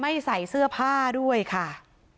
ใส่เสื้อผ้าด้วยค่ะ